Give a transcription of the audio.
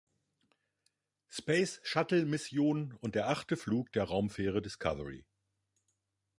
Space-Shuttle-Mission und der achte Flug der Raumfähre Discovery.